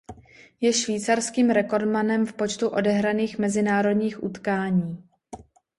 Je švýcarským rekordmanem v počtu odehraných mezinárodních utkání.